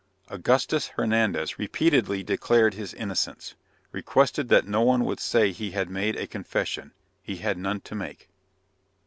Augustus Hernandez repeatedly declared his innocence, requested that no one would say he had made a confession; he had none to make.